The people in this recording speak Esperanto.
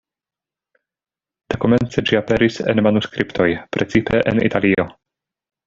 Dekomence ĝi aperis en manuskriptoj, precipe en Italio.